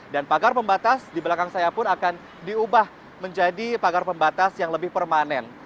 dan pagar pembatas di belakang saya pun akan diubah menjadi pagar pembatas yang lebih permanen